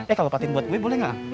eh kalau patin buat gue boleh gak